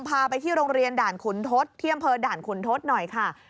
พาไปที่โรงเรียนด่านขุนทศที่อำเภอด่านขุนทศหน่อยค่ะ